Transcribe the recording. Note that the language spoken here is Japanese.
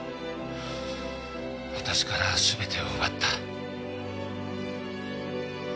私から全てを奪った。